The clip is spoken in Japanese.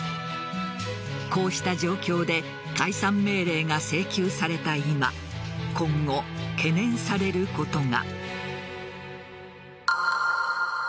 こうした状況で解散命令が請求された今今後、懸念されることが。